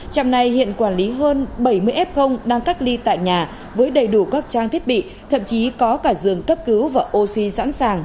trạm này hiện quản lý hơn bảy mươi f đang cách ly tại nhà với đầy đủ các trang thiết bị thậm chí có cả giường cấp cứu và oxy sẵn sàng